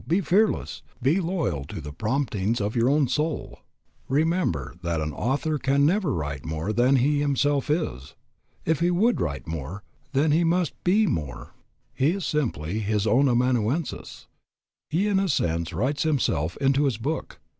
Be fearless. Be loyal to the promptings of your own soul_. Remember that an author can never write more than he himself is. If he would write more, then he must be more. He is simply his own amanuensis. He in a sense writes himself into his book.